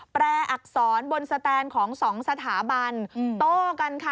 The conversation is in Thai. แปลอักษรบนสแตนของสองสถาบันโต้กันค่ะ